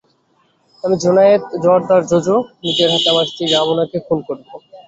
আমি জোনায়েদ জোয়ার্দার জোজো, নিজের হাতে আমার স্ত্রী রামোনাকে খুন করব।